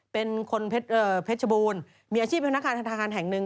เป็นคนเพชรบูรณ์มีอาชีพเป็นพนักงานทางทางนึง